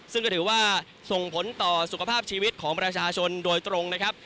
ซึ่งก็ถือว่าส่งผลต่อสุขภาพชีวิตของประชาชนโดยตรงนะครับ